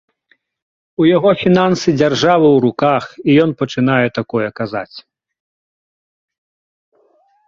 У яго фінансы дзяржавы ў руках, і ён пачынае такое казаць.